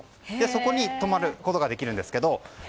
そこに泊まることができるんですけど。